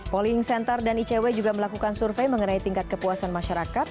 polling center dan icw juga melakukan survei mengenai tingkat kepuasan masyarakat